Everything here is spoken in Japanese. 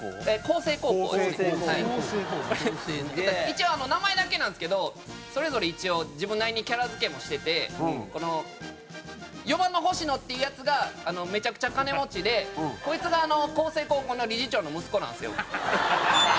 一応名前だけなんですけどそれぞれ一応自分なりにキャラ付けもしててこの４番の星野っていうヤツがめちゃくちゃ金持ちでこいつが高星高校の理事長の息子なんですよ。